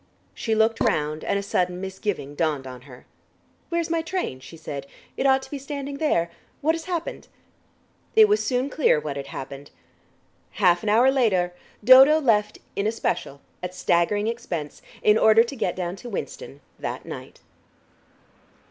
She looked round, and a sudden misgiving dawned on her. "Where's my train?" she said. "It ought to be standing there? What has happened?" It was soon clear what had happened.... Half an hour later Dodo left in a special at staggering expense, in order to get down to Winston that night.